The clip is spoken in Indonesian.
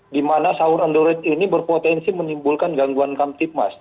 di mana sahur on the road ini berpotensi menimbulkan gangguan kamtipmas